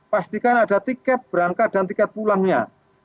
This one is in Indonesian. pastikan ada tiket berangkat dan tiket pulangnya